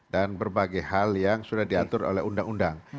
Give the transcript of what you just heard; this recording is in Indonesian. dan berbagai hal yang sudah diatur oleh undang undang